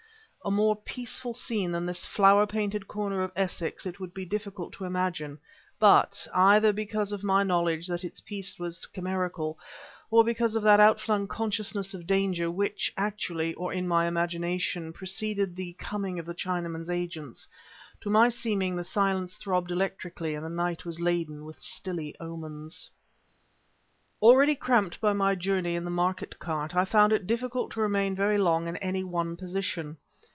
A more peaceful scene than this flower planted corner of Essex it would be difficult to imagine; but, either because of my knowledge that its peace was chimerical, or because of that outflung consciousness of danger which, actually, or in my imagination, preceded the coming of the Chinaman's agents, to my seeming the silence throbbed electrically and the night was laden with stilly omens. Already cramped by my journey in the market cart, I found it difficult to remain very long in any one position.